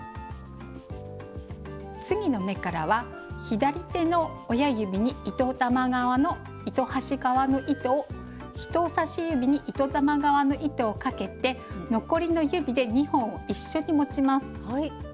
次の目からは左手の親指に糸端側の糸を人さし指に糸玉側の糸をかけて残りの指で２本を一緒に持ちます。